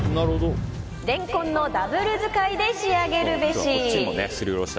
レンコンのダブル使いで仕上げるべし。